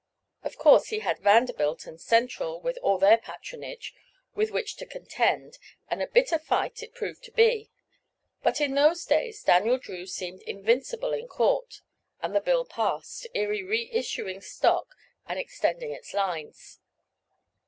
Of course, he had Vanderbilt and Central, with all their patronage, with which to contend, and a bitter fight it proved to be; but in those days Daniel Drew seemed invincible in court, and the bill passed, Erie re issuing stock and extending its lines.